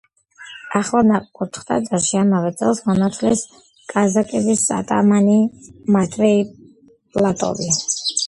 ახლად ნაკურთხ ტაძარში, ამავე წელს მონათლეს კაზაკების ატამანი მატვეი პლატოვი.